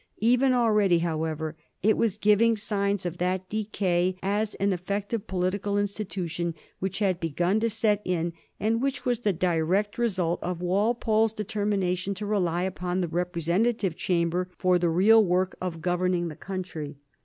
Even already, however, it was giving signs of that decay as an effective political institution which had begun to set in, and which was the direct result of Walpole's determination to rely upon the representative Chamber for the real work of governing the country.